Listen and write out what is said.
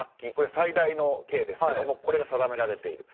最大の刑ですけどこれが定められている。